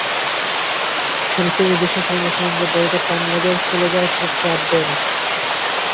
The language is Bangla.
শেরিফের নির্দেশের সঙ্গে সঙ্গে দড়িতে টান লাগে, খুলে যায় ট্র্যাপ ডোর।